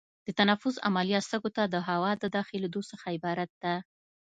د تنفس عملیه سږو ته د هوا د داخلېدو څخه عبارت ده.